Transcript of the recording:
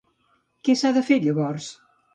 Què s'ha de fer, llavors?